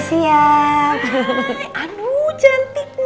siapa yang ulang tahun hari ini